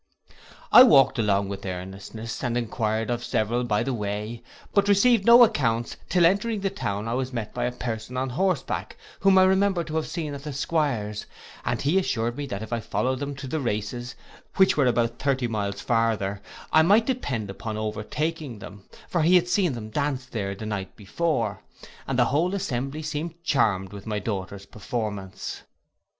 I walked along with earnestness, and enquired of several by the way; but received no accounts, till entering the town, I was met by a person on horseback, whom I remembered to have seen at the 'Squire's, and he assured me that if I followed them to the races, which were but thirty miles farther, I might depend upon overtaking them; for he had seen them dance there the night before, and the whole assembly seemed charmed with my daughter's performance.